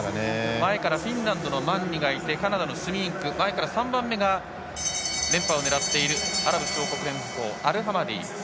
前からフィンランドのマンニがいてカナダのスミーンク前から３番目が連覇を狙うアラブ首長国連邦のアルハマディ。